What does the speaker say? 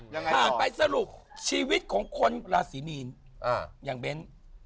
ผ่านไปสรุปชีวิตของคนราศีมีนอย่างเบ้น